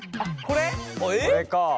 これか。